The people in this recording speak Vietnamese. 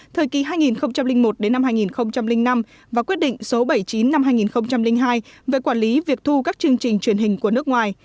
thời kỳ hai nghìn một hai nghìn năm và quyết định số bảy mươi chín năm hai nghìn hai về quản lý việc thu các chương trình truyền hình của nước ngoài